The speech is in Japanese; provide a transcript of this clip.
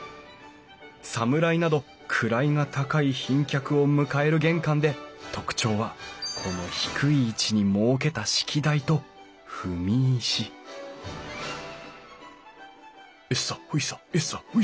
侍など位が高い賓客を迎える玄関で特徴はこの低い位置に設けた式台と踏み石エッサホイサエッサホイサ。